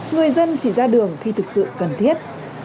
người dân chỉ ra đường khi thực sự cần thiết